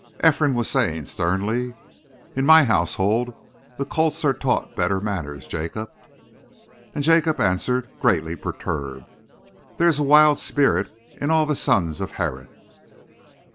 Ephraim was saying sternly: "In my household the colts are taught better manners, Jacob." And Jacob answered, greatly perturbed: "There is a wild spirit in all the sons of Harith."